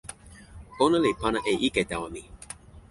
ona li pana e ike tawa mi.